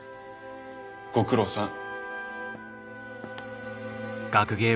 ご苦労さん。